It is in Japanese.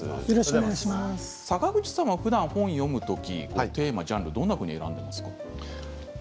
坂口さんはふだん本を読むときテーマ、ジャンルはどんなものを選んでいますか。